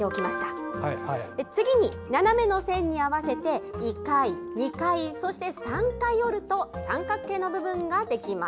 次に、斜めの線に合わせて１回、２回、そして３回折ると三角形の部分ができます。